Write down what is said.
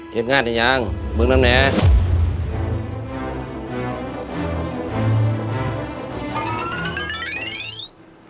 เก็บงานอยู่หรือยังมึงน้ำเนีย